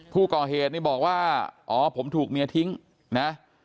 ผู้ก่อเหตุนี่บอกว่าอ๋อผมถูกเมียทิ้งนะ